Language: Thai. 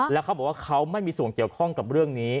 แล้วเขาบอกว่าเขาไม่มีส่วนเกี่ยวข้องกับเรื่องนี้